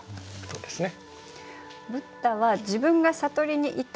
そうですね。